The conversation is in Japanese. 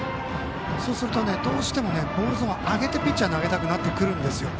そうするとどうしてもボールゾーンを上げてピッチャーは投げたくなってくるんですよ。